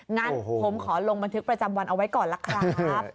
งั้นผมขอลงบันทึกประจำวันเอาไว้ก่อนล่ะครับ